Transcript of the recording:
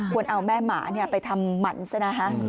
เอาแม่หมาไปทำหมันซะนะคะ